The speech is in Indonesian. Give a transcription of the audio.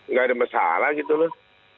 nggak ada masalah gitu loh